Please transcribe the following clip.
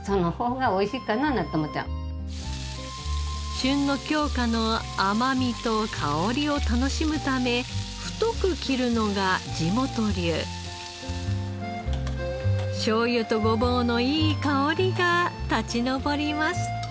旬の京香の甘みと香りを楽しむためしょうゆとごぼうのいい香りが立ち上ります。